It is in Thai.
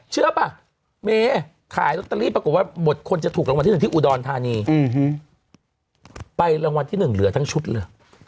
เชื่อป่ะเมขายลอตเตอรี่ปรากฏว่าหมดคนจะถูกรางวัลที่๑ที่อุดรธานีไปรางวัลที่๑เหลือทั้งชุดเลย